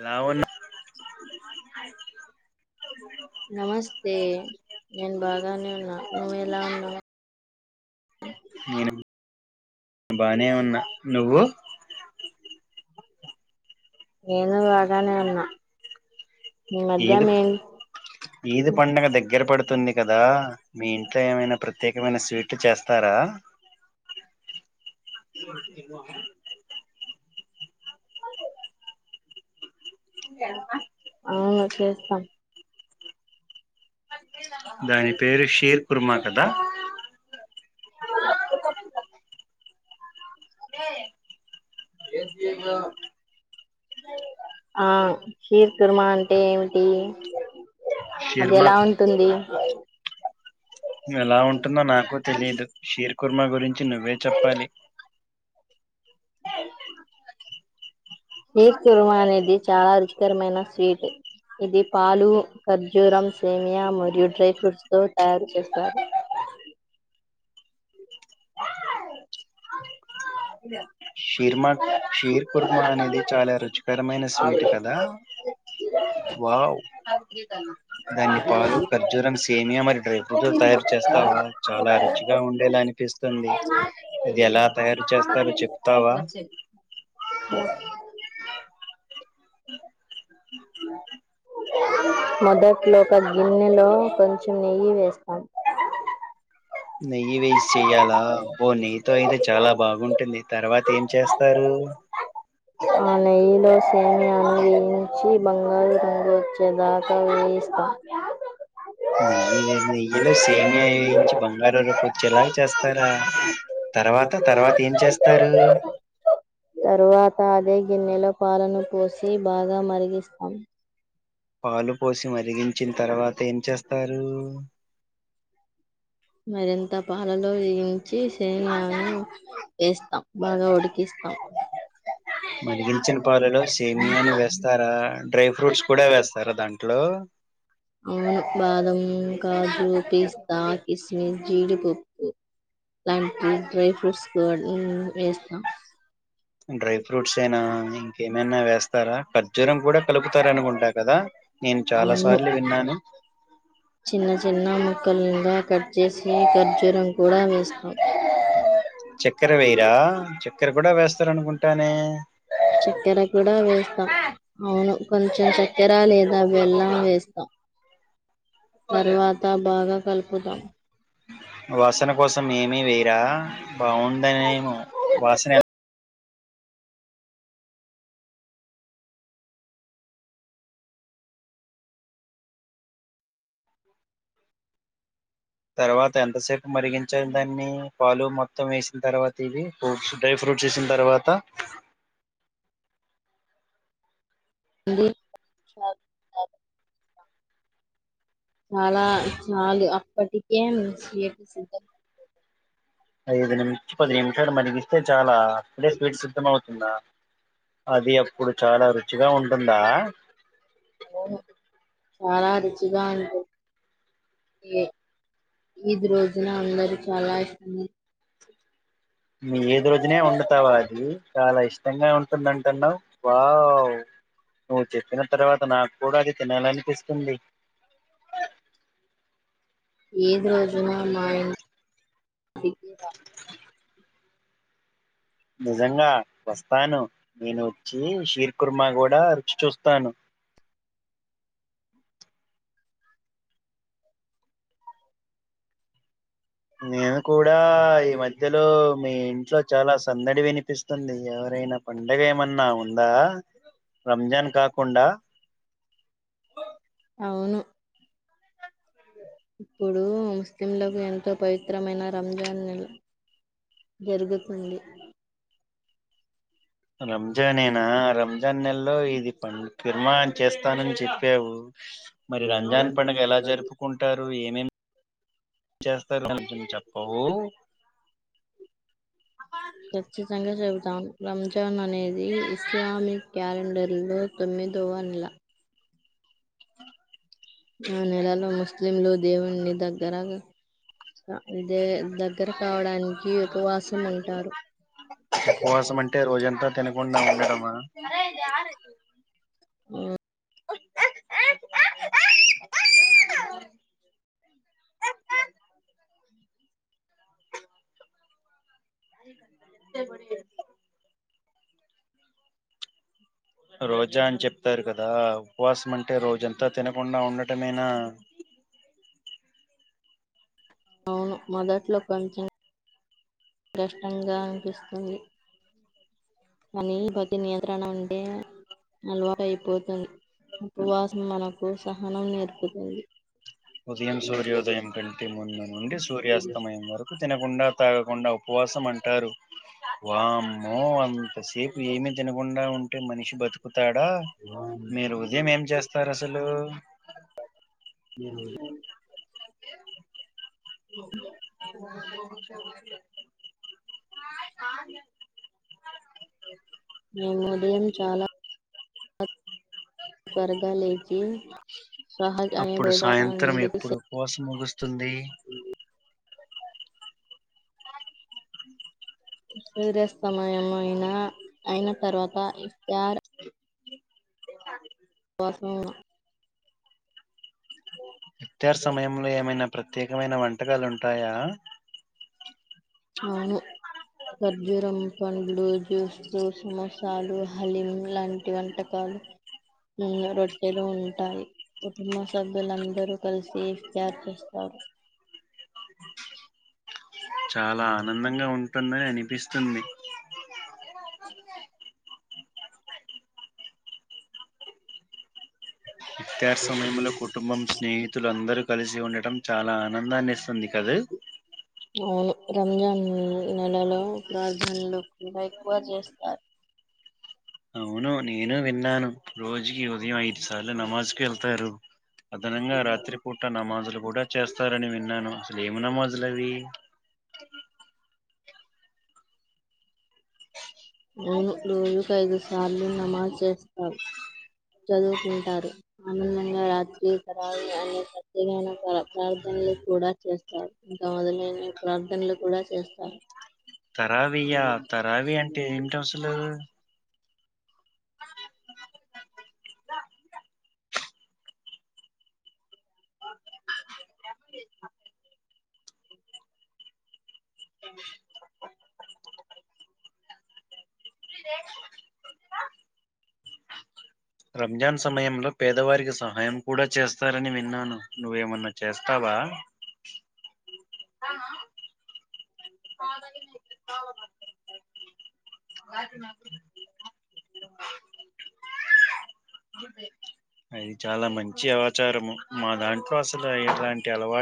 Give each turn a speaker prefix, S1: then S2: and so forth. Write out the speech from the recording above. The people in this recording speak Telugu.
S1: ఎలా ఉన్నా
S2: నమస్తే నేను బాగానే ఉన్నా, నువ్ ఎలా ఉన్నావ్?
S1: నేను బానే ఉన్నా, నువ్వు?
S2: నేను బాగానే ఉన్నా ఈ మధ్య
S1: ఈదు
S2: మీ
S1: ఈదు పండగ దగ్గర పడుతుంది కదా, మీ ఇంట్లో ఏమైనా ప్రతె ఏవన్న స్వీట్లు చేస్తారా?
S2: ఈ అమ్మ. అవును చేస్తాం.
S1: దాని పేరు షీర్ కుర్మా కదా?
S2: ఆ షీర్ కుర్మ అంటే ఏమిటి? అది
S1: షీర్మా
S2: ఎలా ఉంటుంది?
S1: ఎలా ఉంటుందో నాకు తెలీదు షీర్. కుర్మ గురించి నువ్వే చెప్పాలి.
S2: అ హీర్ కుర్మ అనేది చాలా రుచికరమైన స్వీటు, ఇది పాలు, ఖర్జూరం సేమియా మరియు డ్రై ఫ్రూట్స్ తో తయారు చేస్తారు.
S1: అ షీర్మక్. షీర్ కుర్మ అనేది చాలా రుచికరమైన స్వీట్ కదా? వావ్. ఆన్ గీతల్న దాన్ని పాలు, ఖర్జూరం సిక్. సేమ్యా మరి. డ్రైపుతో తయారు చేస్తావా? చాలా రుచిగా ఉండేలా అనిపిస్ తుంది అది ఎలా తయారు చేస్తారో చెప్
S2: మొదట్లో ఒక గిన్నెలో కొంచెం నెయ్ యి వేస్తాం.
S1: నెయ్యి వేస్ చెయ్యాలా? అబ్బో నెయ్యితో అయితే చాలా బాగుంటుంది. తర్వాత ఏం చేస్తారు?
S2: ఈలో సేమ్యాను వేయించి, బంగారు రంగు వచ్చేదాకా వేయిస్తం.
S1: నెయ్యి, నెయ్యిలో సేమ్యా ఏయించి బంగార రపు చ్చెలాగ చేస్తారా, తర్వాత తర్వాత ఏం చేస్తారు?
S2: తరువాత అద్ దే గిన్నెలో పాలను పోసి బాగా మరిగిస్తాం.
S1: పాలు పోసి మరిగించిన్ తర్వాత ఏం చేస్తారూ?
S2: మరింత పాలలో వెయిన్ చ్చి సేమ్యాలను వేస్తాం బాగా ఉడికిస్తాం.
S1: మరిగించిన పాలలో సేమియా ని వేస్తారా డ్రై ఫ్రూట్స్ కూడా వేస్తారా దాంట్లో
S2: అవును బాదం కాజు పీస్ త్తా కిస్మిస్ జీడిపప్పు లాంటి డ్రై ఫ్రూట్స్ కూడా వేస్తాం
S1: డ్రై ఫ్రూట్స్ అయినా ఇంకేం నేనే వేస్ తారా ఖర్జూరం కూడా కలుపుతారనుకుంటా కదా నేను చాలా
S2: అవును
S1: సార్లు విన్నాను
S2: కల్గా కట్ చేసి ఖర్జూరం కూడా వేస్తాం
S1: చక్కెర టానే
S2: చక్కెర కూడా వేస్తాం అవును కొంచెం చక్కెర లేదా బెల్లం వేస్తాం తర్వాత బాగా కలుపు కుదాను
S1: వాసన కోసం ఏమీ వేయరా బాగుంటాయేమో వాసన తర్వాత ఎంతసేపు మరిగించారు దాన్ని పాలు మొత్తం వేసిన తర్వాత ఇవి ఫ్రూట్స్ డ్రై ఫ్రూట్స్ వేసిన తర్వాత
S2: [unintelligible] చాలా చాలు అప్ పటికేయ స్వీట్స్ [unintelligible]
S1: ఐదు నిమిష పది నిమిషాలు మరిగిస్తే చాలా అప్పుడే స్వీట్ సిద్ధం అవుతుందా అది అప్పుడు చాలా రుచిగా ఉం టుందా
S2: అవును చాలా రుచిగా ఉంటు ఈ ఈది రోజున అందరు చాలా ఇష్ట
S1: మీ ఈద్ రోజునే వండుతావా అది చాలా ఇష్ట తంగా ఉంటుందంటున్నావు వావ్ నువ్వు చెప్పిన తర్వాత నాకు కూడా అది తినాలనిపిస్తుంది
S2: ఈద్ రోజున మా ఆయ్ [inaudible]
S1: నిజంగా వస్తాను నేను వచ్చి షీర్ కుర్మా కూడా రుచి చూస్తాను నేను కూడా
S2: రా
S1: ఈ మధ్యలో మీ ఇ ట్లో చాలా సందడి వినిపిస్తుంది ఎవరైనా పండగ ఏమన్నా ఉందా రంజాన్ కాకుండా
S2: అవును ఇప్పుడు ముస్లింలకు ఎంతో పవిత్రమైన రంజాన్ నెల జరుగుతుంది
S1: రంజాన్ ఏనా రంజాన్ నెలలో ఇది పం ఫిర్మా అని చేస్తానని చె ప్పేవు మరి రంజాన్ పండుగ ఎలా జరుపుకుంటారు ఏమేమ్ చేస్తారు కొంచెం చెప్పవు.
S2: ఖచ్చితంగా చెబుతాం రంజాన్ అనేది ఇస్లామిక్ క్యాలెండర్లో తొమ్మిదవ నెల ఆ నెలలో ముస్లింలు దేవున్నిదగ్ రగ ఇదే దగ్గర కావడానికి ఉపవాసం ఉంటారు
S1: ఉపవాసం అంటే రోజంతా తినకుండా ఉండడమా
S2: అ
S1: రోజా అని చెప్తారు కదా ఉపవాసమంటే రోజంతా తినకుండా ఉండటమేనా
S2: అవును మొదట్లో కొంచెం కష్టంగా అనిపిస్తుంది కానీ బతి నియంత్రణ ఉంటే అలవాటు అయిపోతుంది ఉపవాసం మనకు సహనం నేర్పుతుంది.
S1: ఉదయం
S2: అవును
S1: సూర్యోదయం కంటే ముందు నుండి సూర్యాస్తమయం వరకు తినకుండా తాగకుండా ఉపవాసం అంటారు. వామ్మో అంతసేపు ఏమి తినకుండా ఉంటే మనిషి బతుకు తాడా మీరు ఉదయం ఏం చేస్తారు అసలు [inaudible] ఆ
S2: మేము ఉదయం చాలా త్వరగా లేచి సహజ్ అనే [unintelligible]
S1: ముగుస్త్ స్తుంది.
S2: సూర్యాస్తమయం అయినా అయిన తర్వాత ఇఫ్తార్ కోసం
S1: ఇఫ్తార్ సమయంలో ఏమైనా ప్రత్యేకమైన వంటకాలు ఉంటాయా.
S2: అవును. ఖర్జూరం పండ్లు జ్యూస్ సమోసాలు హలిం లాంటి వంటకాలు రొట్టెలు ఉంటాయి. కుటుంబ సభ్యులుందరూ కలిసి ఇఫ్తార్ చేస్తారు.
S1: చాలా ఆనందంగా ఉంట టుంది అనిపిస్తుంది. ఇఫ్తార్ సమయంలో కుటుంబం స్నేహితులు అందరు కలిసి ఉండటం చాలా ఆనందాన్ని ఇస్తుంది కదూ
S2: అవును రంజాన్ న్ నెలలో ప్రార్థనలు కూడా ఎక్కువ చేస్తారు.
S1: అవును నేను విన్నాను రోజుకి ఉదయం ఐదు సార్లు నమాజ్ కేళ్తారు. అదనంగా రాత్రి పూట నమాజ్లు కూడా చేస్తారని విన్నాను అసలు ఏం నమాజ్లు అవి
S2: అను రోజుకు ఐదు సార్లు నమాజ్ చేస్తాారు చదువుకుంటారు ఆనందంగా రాత్రి తరా అన్నిత్యమైన ప్ర ప్రార్థనలు కూడా చేస్తారు ఇంకా మొదలైన ప్రార్థనలు కూడా చేస్తారు
S1: తరావియా తరా రవి అంటే ఏంట అసలు రంజాన్ సమయంలో పేదవారికి సహాయం కూడా చేస్తారని విన్నాను నువ్వేమన్నా చేస్తావా మా అది చాలా మంచి అవాచారము మా దాంట్లో అసలు ఇలాంటి అలవాటు